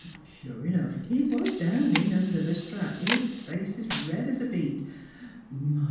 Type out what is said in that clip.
Sure 'nough he was down in under the strap, his face 's red 's a beet. My!